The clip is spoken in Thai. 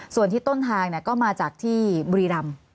ส่วนที่ต้นทางก็มาจากที่บุรีรำ